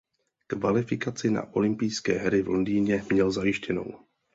Kvalifikaci na olympijské hry v Londýně měl zajištěnou.